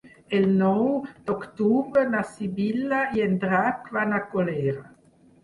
El nou d'octubre na Sibil·la i en Drac van a Colera.